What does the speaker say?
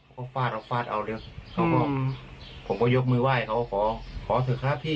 เขาก็ฟาดเอาฟาดเอาเร็วเขาบอกผมก็ยกมือไหว้เขาก็ขอขอถือครับพี่